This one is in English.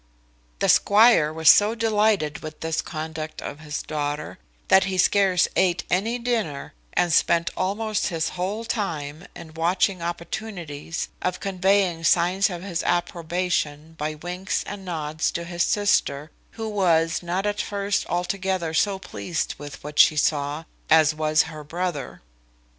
The squire was so delighted with this conduct of his daughter, that he scarce eat any dinner, and spent almost his whole time in watching opportunities of conveying signs of his approbation by winks and nods to his sister; who was not at first altogether so pleased with what she saw as was her brother.